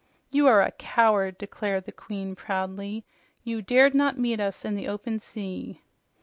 "You are a coward," declared the Queen proudly. "You dared not meet us in the open sea."